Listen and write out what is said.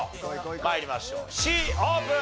参りましょうＣオープン。